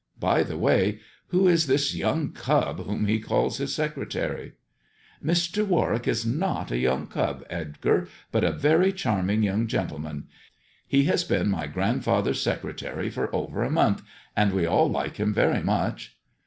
By the way, who is this young cub whom he calls his secretary 1 "" Mr. Warwick is not a young cub, Edgar, but a very THE dwarf's chamber 115 charming young gentleman. He has been my grandfather's secretary for over a month, and we all like him very much."